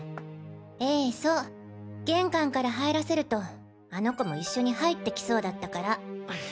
ええそう玄関から入らせるとあの子も一緒に入ってきそうだったから。